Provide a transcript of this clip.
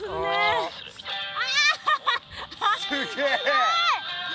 すごい！